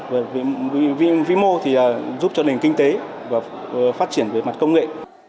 và vi mô thì giúp cho nền kinh tế và phát triển về mặt công nghệ